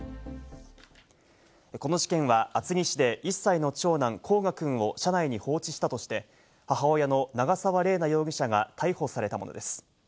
この事件は厚木市で１歳の長男・煌翔くんを車内に放置したとして、母親の長沢麗奈容疑者が逮捕されたものです。